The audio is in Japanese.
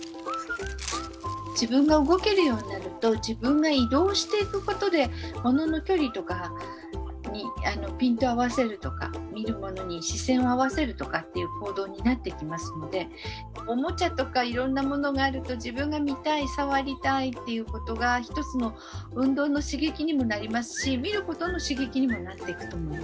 自分が動けるようになると自分が移動していくことでものの距離とかにピントを合わせるとか見るものに視線を合わせるとかっていう行動になってきますのでおもちゃとかいろんなものがあると自分が見たい触りたいということが一つの運動の刺激にもなりますし見ることの刺激にもなっていくと思います。